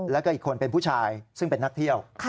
แล้วก็อีกคนเป็นผู้ชายซึ่งเป็นนักเที่ยว